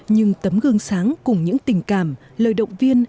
nhưng tấm gương sáng cùng những tình cảm lời động viên